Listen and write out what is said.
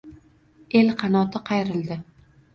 El qanoti qayrildi